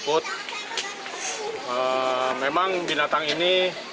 petugas menangkap rakyat di rumah